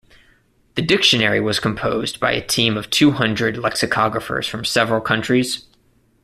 The dictionary was composed by a team of two hundred lexicographers from several countries.